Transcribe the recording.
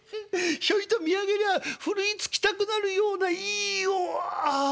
ひょいと見上げりゃあふるいつきたくなるようないいおああ。